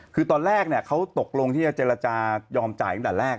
คือตอนแรกเขาตกลงที่จะเจรจายอมจ่ายตั้งแต่แรก